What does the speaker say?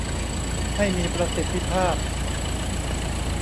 ให้มีประสิทธิภาพ